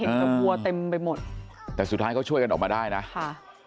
กับวัวเต็มไปหมดแต่สุดท้ายเขาช่วยกันออกมาได้นะค่ะ